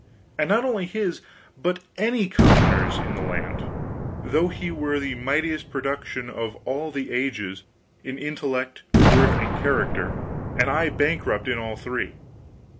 And not only his, but any commoner's in the land, though he were the mightiest production of all the ages, in intellect, worth, and character, and I bankrupt in all three.